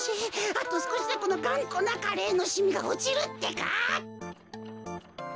あとすこしでこのがんこなカレーのしみがおちるってか。